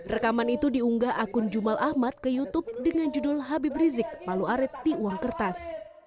rekaman itu diunggah akun jumal ahmad ke youtube dengan judul habib rizik palu arit di uang kertas